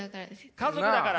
家族だから。